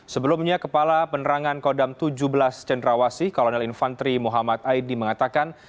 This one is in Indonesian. sebelumnya kepala penerangan kodam tujuh belas cendrawasi kolonel infantri muhammad aidi mengatakan